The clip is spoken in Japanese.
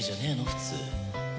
普通」